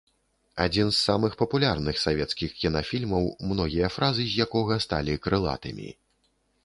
Адзін з самых папулярных савецкіх кінафільмаў, многія фразы з якога сталі крылатымі.